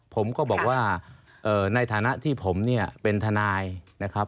ผมก็บอกว่าในฐานะที่ผมเนี่ยเป็นทนายนะครับ